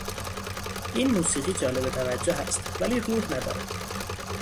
این موسیقی جالب توجه است ولی روح ندارد.